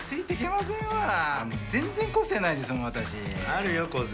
あるよ個性。